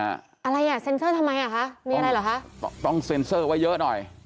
อะไรอ่ะเซ็นเซอร์ทำไมอ่ะคะมีอะไรเหรอคะต้องเซ็นเซอร์ไว้เยอะหน่อย